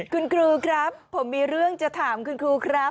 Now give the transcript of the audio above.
คุณครูครับผมมีเรื่องจะถามคุณครูครับ